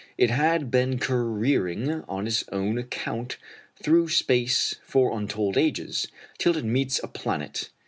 It had been careering on its own account through space for untold ages, till it meets a planet.